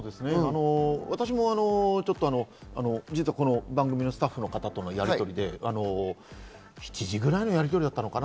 私も実はこの番組のスタッフとのやりとりで７時ぐらいのやり取りだったかな？